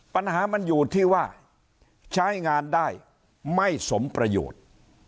ปัญหามันอยู่ที่ว่าใช้งานได้ไม่สมประโยชน์